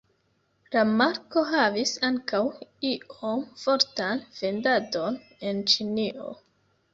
La marko havis ankaŭ iom fortan vendadon en Ĉinio.